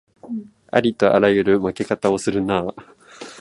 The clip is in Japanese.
ありとあらゆる負け方をするなあ